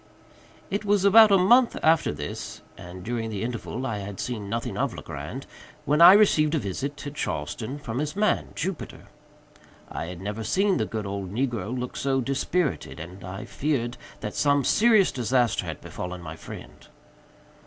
It was about a month after this (and during the interval I had seen nothing of Legrand) when I received a visit, at Charleston, from his man, Jupiter. I had never seen the good old negro look so dispirited, and I feared that some serious disaster had befallen my friend.